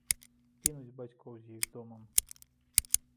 Кінуць бацькоў з іх домам!